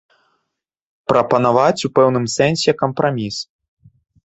Прапанаваць у пэўным сэнсе кампраміс.